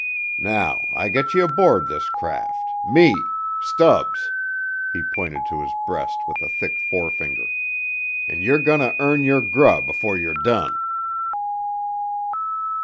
Now I gut ye aboard this craft me, Stubbs," he pointed to his breast with a thick forefinger, "an' ye're goneter earn yer grub afore ye're done."